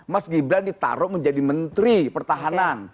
mas gibran ditaruh menjadi menteri pertahanan